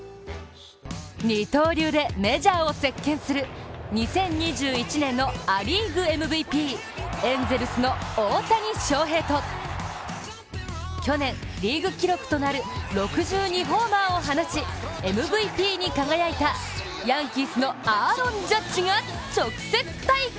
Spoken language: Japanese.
二刀流でメジャーを席巻する２０２１年のア・リーグＭＶＰ、エンゼルスの大谷翔平と去年、リーグ記録となる６２ホーマーを放ちＭＶＰに輝いたヤンキースのアーロン・ジャッジが直接対決。